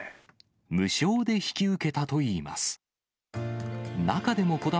無償で引き受けたといいます。